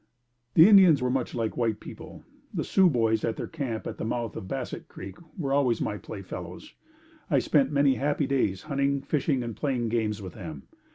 The Indians were much like white people. The Sioux boys at their camp at the mouth of Bassett's Creek were always my playfellows. I spent many happy days hunting, fishing and playing games with them.